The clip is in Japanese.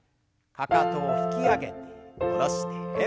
かかとを引き上げて下ろして。